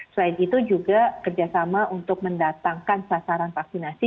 selain itu juga kerjasama untuk mendatangkan sasaran vaksinasi